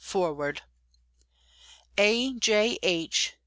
Forward!" A. J. H.